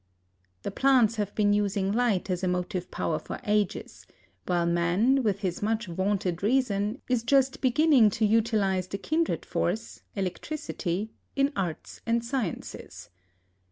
The plants have been using light as a motive power for ages, while man, with his much vaunted reason, is just beginning to utilize the kindred force, electricity, in arts and sciences.